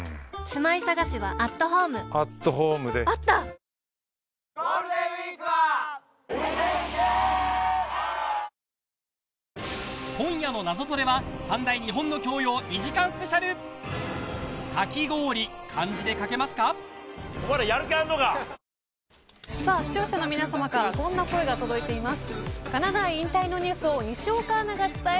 アサヒの緑茶「颯」さあ視聴者の皆さまからこんな声が届いています。